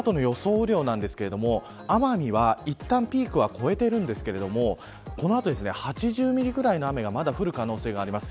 雨量ですが奄美は、いったんピークは越えているんですがこの後８０ミリくらいの雨がまだ降る可能性があります。